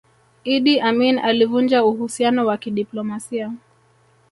idi amini alivunja uhusiano wa kidiplomasia